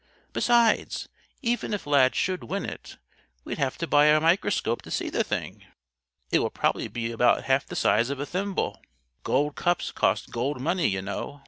Besides, even if Lad should win it, we'd have to buy a microscope to see the thing. It will probably be about half the size of a thimble. Gold cups cost gold money, you know.